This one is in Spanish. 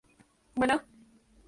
Es navegable en casi todo su curso.